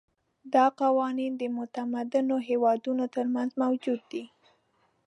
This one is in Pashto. دا قوانین د متمدنو هېوادونو ترمنځ موجود دي.